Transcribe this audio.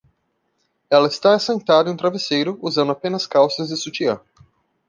Ela está sentada em um travesseiro, usando apenas calças e sutiã.